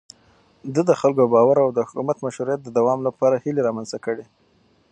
ده د خلکو باور او د حکومت مشروعيت د دوام لپاره هيلې رامنځته کړې.